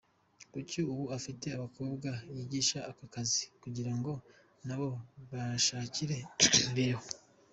kuri ubu afite abakobwa yigisha aka kazi kugira ngo nabo bishakire imibereho.